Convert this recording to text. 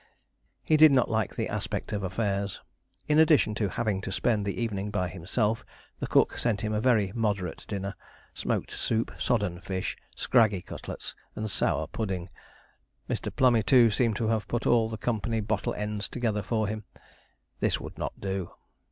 He did not like the aspect of affairs. In addition to having to spend the evening by himself, the cook sent him a very moderate dinner, smoked soup, sodden fish, scraggy cutlets, and sour pudding. Mr. Plummey, too, seemed to have put all the company bottle ends together for him. This would not do.